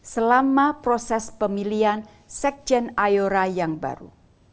selama proses pemilihan sekjen ayora yang baru